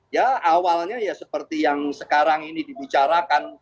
ya awalnya ya seperti yang sekarang ini dibicarakan